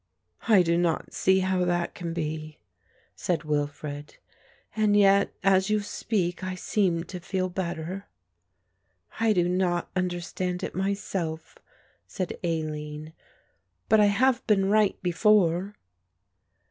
"I do not see how that can be," said Wilfred, "and yet as you speak I seem to feel better." "I do not understand it myself," said Aline, "but I have been right before."